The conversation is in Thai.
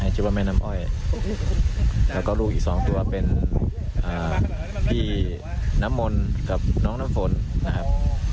ชื่อว่าแม่น้ำอ้อยแล้วก็ลูกอีก๒ตัวเป็นพี่น้ำมนต์กับน้องน้ำฝนนะครับ